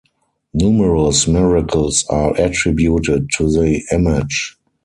Numerous miracles are attributed to the image.